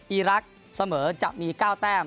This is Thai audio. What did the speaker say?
อีรักษ์เสมอจะมี๙แต้ม